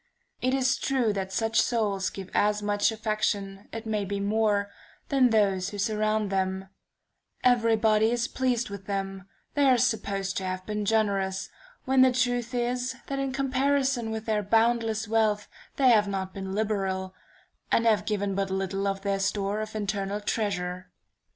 It is true that such souls give as much affection, it may be more, than those who surround them; every body is pleased with them, they are supposed to have been generous, when the truth is that in comparison with their boundless wealth they have not been liberal, and have given but little of their store of internal treasure.